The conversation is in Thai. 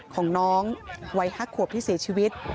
ของน้องวัย๕ขวบที่เสียชีวิต